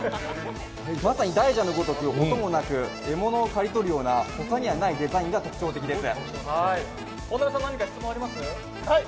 まさに大蛇のごとく、音もなく獲物を狩り取るような他にはないデザインが特徴的です。